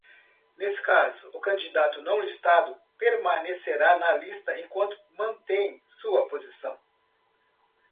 Nesse caso, o candidato não listado permanecerá na lista enquanto mantém sua posição.